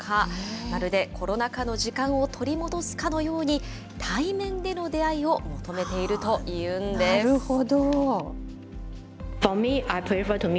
まるでコロナ禍の時間を取り戻すかのように、対面での出会いを求なるほど。